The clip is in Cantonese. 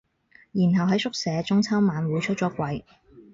然後喺宿舍中秋晚會出咗櫃